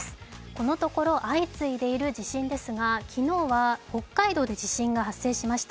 このところ、相次いでいる地震ですが、昨日は北海道で地震が発生しました。